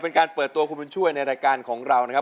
เป็นการเปิดตัวคุณบุญช่วยในรายการของเรานะครับ